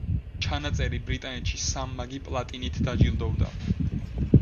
ჩანაწერი ბრიტანეთში სამმაგი პლატინით დაჯილდოვდა.